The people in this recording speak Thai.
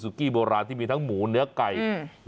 กี้โบราณที่มีทั้งหมูเนื้อไก่